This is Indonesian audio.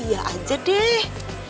iya aja deh